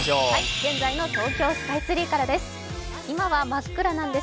現在の東京スカイツリーからです。